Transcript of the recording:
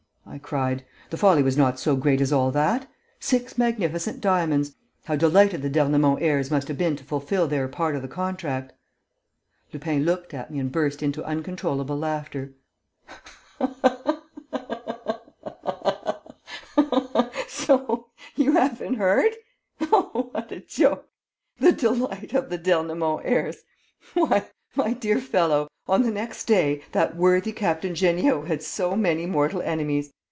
I cried. "The folly was not so great as all that. Six magnificent diamonds! How delighted the d'Ernemont heirs must have been to fulfil their part of the contract!" Lupin looked at me and burst into uncontrollable laughter: "So you haven't heard? Oh, what a joke! The delight of the d'Ernemont heirs!.... Why, my dear fellow, on the next day, that worthy Captain Jeanniot had so many mortal enemies!